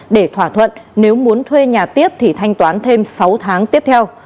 để thỏa thuận nếu muốn thuê nhà tiếp thì thanh toán thêm sáu tháng tiếp theo